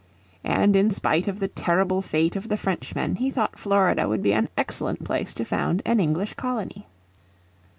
And in spite of the terrible fate of the Frenchmen he thought Florida would be an excellent place to found an English colony.